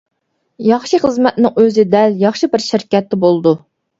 ياخشى خىزمەتنىڭ ئۆزى دەل ياخشى بىر شىركەتتە بولىدۇ.